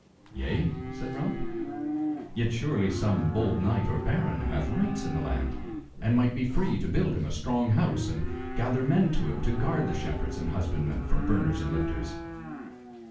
"Yea?" said Ralph, "yet surely some bold knight or baron hath rights in the land, and might be free to build him a strong house and gather men to him to guard the shepherds and husbandmen from burners and lifters."